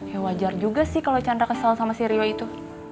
ya wajar juga sih kalau chandra kesal sama si rio itu